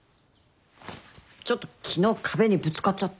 ちょっと昨日壁にぶつかっちゃって。